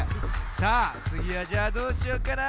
さあつぎはじゃあどうしようかな。